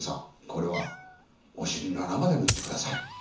これはお尻の穴まで塗ってください」。